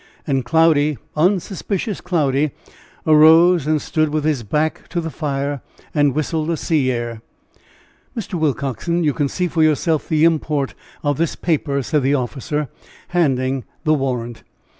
And Cloudy unsuspicious Cloudy, arose and stood with his back to the fire and whistled a sea air. "Mr. Willcoxen, you can see for yourself the import of this paper," said the officer, handing the warrant.